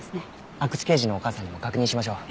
阿久津刑事のお母さんにも確認しましょう。